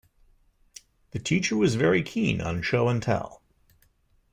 The teacher was very keen on Show and Tell.